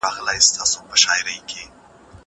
موبایل وکاروه!!